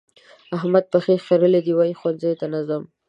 احمد پښې خرلې دي؛ وايي ښوونځي ته نه ځم.